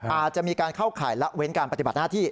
อาจจะมีการเข้าข่ายละเว้นการปฏิบัติหน้าที่